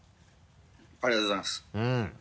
ありがとうございます。